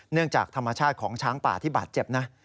จากธรรมชาติของช้างป่าที่บาดเจ็บนะ